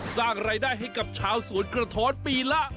สร้างรายได้ให้กับชาวสวนกระท้อนปีละ